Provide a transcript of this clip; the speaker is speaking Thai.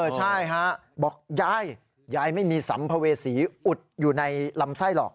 ใช่ฮะบอกยายยายไม่มีสัมภเวษีอุดอยู่ในลำไส้หรอก